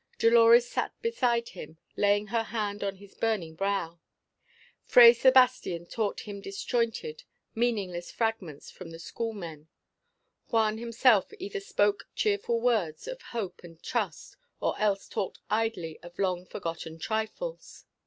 Dolores sat beside him, laying her hand on his burning brow; Fray Sebastian taught him disjointed, meaningless fragments from the schoolmen; Juan himself either spoke cheerful words of hope and trust, or else talked idly of long forgotten trifles.